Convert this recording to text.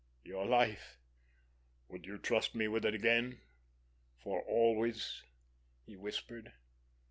"Your life! Would you trust me with it again—for always?" he whispered.